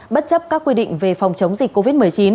bất chấp các quy định về phòng chống dịch covid một mươi chín